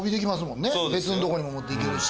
別のとこにも持っていけるし。